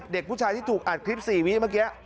เด็กผู้ชายที่ถูกอัดคลิป๔วิเมื่อกี้